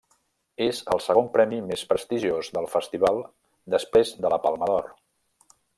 És el segon premi més prestigiós del festival després de la Palma d'Or.